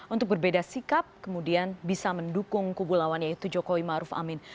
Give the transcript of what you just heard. untuk berbeda sikap kemudian bisa mendukung kubu lawan yaitu jokowi maruf amin